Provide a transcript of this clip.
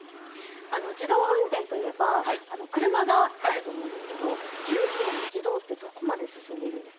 自動運転といえば車があると思うんですけど重機の自動ってどこまで進んでいるんですか？